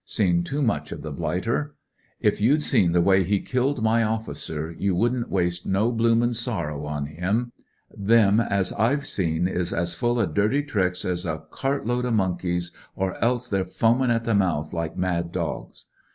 Seen too much of the blighter. If you'd seen the way he killed my officer, you wouldn't waste no bloomin' sorrow ^ on him. Them as I've seen is as full o' durty tricks as a cartload o' monkeys, or else they're foamin' at the mouth like mad dogs.